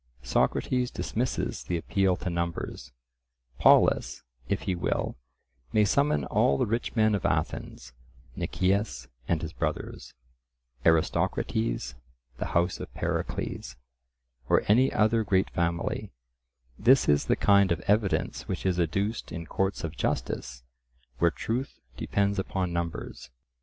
Socrates dismisses the appeal to numbers; Polus, if he will, may summon all the rich men of Athens, Nicias and his brothers, Aristocrates, the house of Pericles, or any other great family—this is the kind of evidence which is adduced in courts of justice, where truth depends upon numbers.